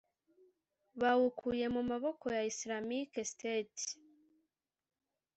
bawukuye mu maboko ya Islamic State